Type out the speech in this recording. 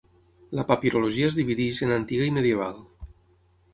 La papirologia es divideix en antiga i medieval.